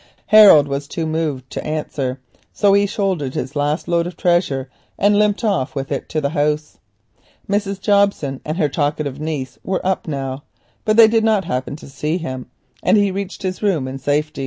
Harold was too moved to answer, so he shouldered his last load of treasure and limped off with it to the house. Mrs. Jobson and her talkative niece were up now, but they did not happen to see him, and he reached his room unnoticed.